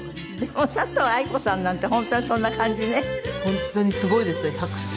でも佐藤愛子さんなんて本当にそんな感じね。